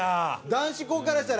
男子校からしたら。